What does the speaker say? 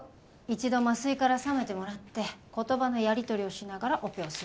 一度麻酔から覚めてもらって言葉のやりとりをしながらオペをするの。